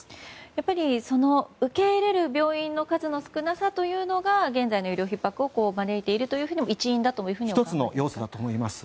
やっぱり受け入れる病院の数の少なさというのが現在の医療ひっ迫を招いている１つの要素だと思います。